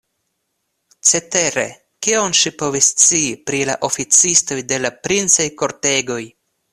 Cetere, kion ŝi povis scii pri la oficistoj de la princaj kortegoj!